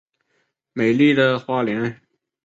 美丽的花莲